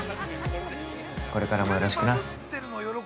これからもよろしくな。